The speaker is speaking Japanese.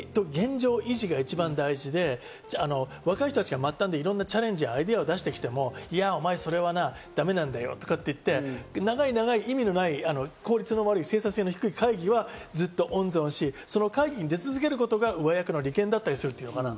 年功序列なんかで保障された安定と現状維持が一番大事で若い人たちが末端でいろんなチャレンジやアイデアを出してきても、いや、お前それはだめなんだよとか言って、長い長い意味のない効率の悪い生産性の低い会議はずっと温存し、その会議に出続けることが上役の利権だったりする。